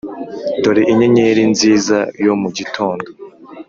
dore inyenyeri nziza yo mu gitondo,